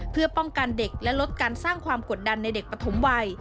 เพื่อป้องกันเด็กและลดการสร้างความกดดันในเด็กปฐมวัย